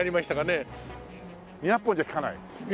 いや２００本じゃ利かない。